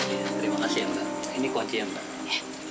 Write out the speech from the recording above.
terima kasih mbak ini kuat ya mbak